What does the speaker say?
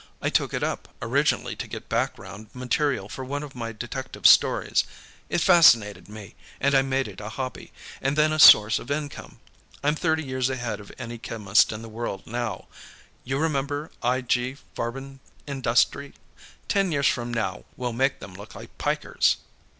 I took it up, originally, to get background material for one of my detective stories; it fascinated me, and I made it a hobby, and then a source of income. I'm thirty years ahead of any chemist in the world, now. You remember I. G. Farbenindustrie? Ten years from now, we'll make them look like pikers."